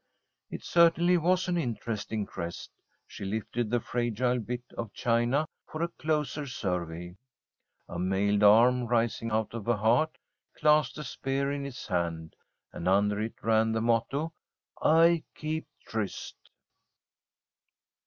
It certainly was an interesting crest. She lifted the fragile bit of china for a closer survey. A mailed arm, rising out of a heart, clasped a spear in its hand, and under it ran the motto, "I keep tryst."